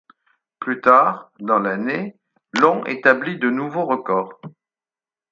Plus tard dans l’année, Long établit de nouveaux records.